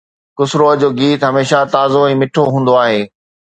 خسروءَ جو گيت هميشه تازو ۽ مٺو هوندو آهي